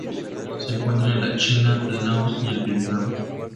Se encuentra en la China, Laos y el Vietnam.